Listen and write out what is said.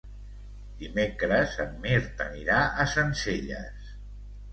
Dimecres en Mirt anirà a Sencelles.